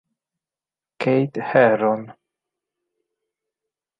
Keith Herron